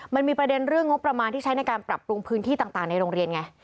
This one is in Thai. มันมีประเด็นเรื่องงบประมาณที่ใช้ในการปรับปรุงพื้นที่ต่างในโรงเรียนไง